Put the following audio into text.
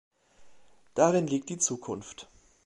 Darin liegt die Zukunft.